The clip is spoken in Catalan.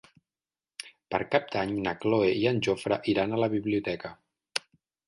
Per Cap d'Any na Cloè i en Jofre iran a la biblioteca.